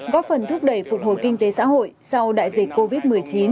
góp phần thúc đẩy phục hồi kinh tế xã hội sau đại dịch covid một mươi chín